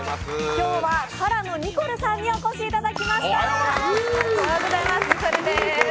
今日はＫＡＲＡのニコルさんにお越しいただきました！